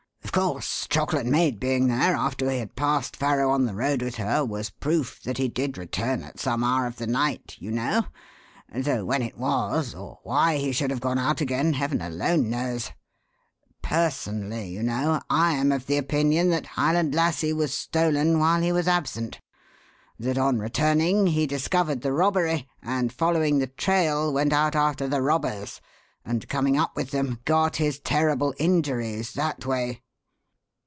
Of course, Chocolate Maid being there after we had passed Farrow on the road with her was proof that he did return at some hour of the night, you know: though when it was, or why he should have gone out again, heaven alone knows. Personally, you know, I am of the opinion that Highland Lassie was stolen while he was absent; that, on returning he discovered the robbery and, following the trail, went out after the robbers, and, coming up with them, got his terrible injuries that way."